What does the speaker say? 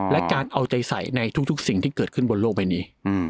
และการเอาใจใสในทุกสิ่งที่เกิดขึ้นบนโลกใบนี้